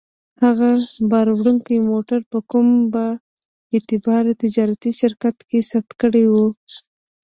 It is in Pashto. هغه باروړونکی موټر په کوم با اعتباره تجارتي شرکت کې ثبت کړی و.